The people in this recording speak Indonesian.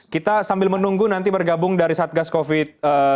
kita sambil menunggu nanti bergabung dari satgas covid sembilan belas